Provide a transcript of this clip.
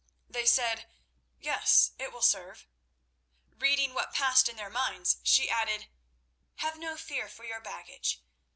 They said: "Yes; it will serve." Reading what passed in their minds, she added: "Have no fear for your baggage.